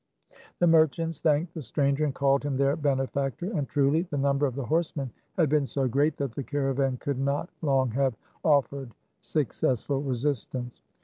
The merchants thanked the stranger, and called him their benefactor. And truly, the number of the horsemen had been so great, that THE CAB AVAN. 157 the caravan could not long have offered success ful resistance.